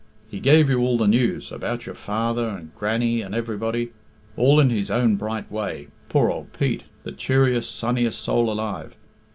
He gave you all the news about your father, and Grannie, and everybody. All in his own bright way poor old Pete, the cheeriest, sunniest soul alive.